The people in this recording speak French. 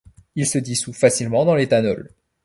Il se dissout facilement dans l'éthanol.